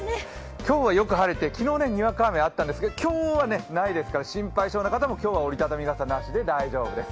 今日はよく晴れて、昨日はにわか雨があったんですが今日はないですから、心配性の方も今日は折り畳み傘なしで大丈夫です。